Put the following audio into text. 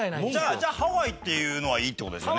じゃあハワイっていうのはいいって事ですよね。